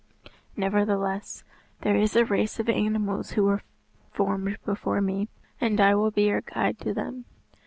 Nevertheless, there is a race of animals who were formed before me, and I will be your guide to them."